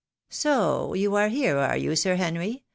" Soh ! you are here, are you. Sir Henry.